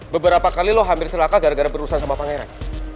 beberapa kali lo hampir selaka gara gara berurusan sama pangeran